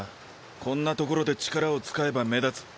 こんな所で力を使えば目立つ。